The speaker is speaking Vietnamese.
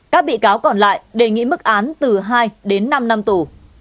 các bị cáo còn lại đề nghị mức án từ hai đến năm năm tù